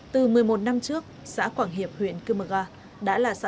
từ một mươi một năm trước xã quảng hiệp huyện cư mờ ga